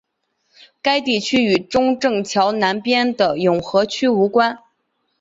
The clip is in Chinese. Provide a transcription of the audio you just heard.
该地区与中正桥南边的永和区无关。